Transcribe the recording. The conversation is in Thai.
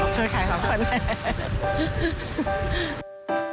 ช่วยใครของคนนะ